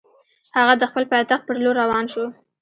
هغه د خپل پایتخت پر لور روان شو.